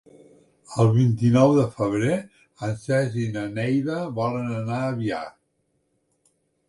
El vint-i-nou de febrer en Sergi i na Neida volen anar a Biar.